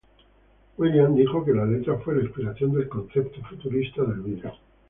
Will.i.am dijo que la letra fue la inspiración del concepto futurista del vídeo.